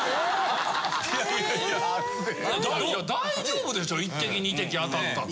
大丈夫でしょ一滴二滴当たったって。